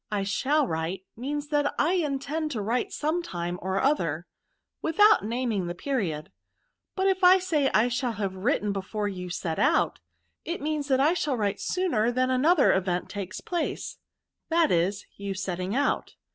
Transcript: I shall write, means that I intend to write some time or other, without naming the period ; but if I say I shall have written before you set out, it means that I shall write sooner than another event takes place — that id, you setting out.